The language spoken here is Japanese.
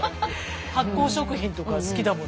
発酵食品とか好きだものね。